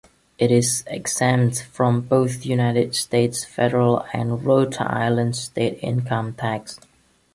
It is exempt from both United States federal and Rhode Island state income tax.